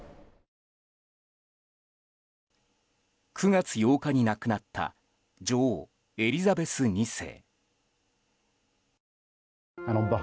９月８日に亡くなった女王エリザベス２世。